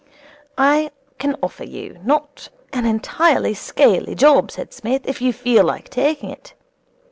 'I can offer you a not entirely scaly job,' said Smith, 'if you feel like taking it.